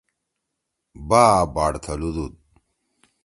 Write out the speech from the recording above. بآ باڑ تھلُودُود۔